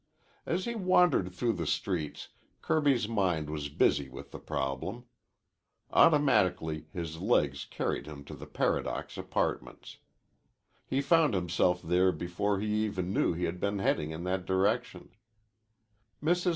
As he wandered through the streets Kirby's mind was busy with the problem. Automatically his legs carried him to the Paradox Apartments. He found himself there before he even knew he had been heading in that direction.